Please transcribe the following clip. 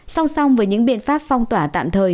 sông sông với những biện pháp phong tỏa tạm